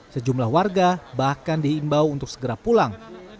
sejumlah warga bahkan diimbau untuk segera pulang